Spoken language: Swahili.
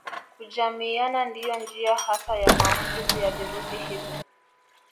Kujamiiana ndiyo njia hasa ya maambukizi ya virusi hivi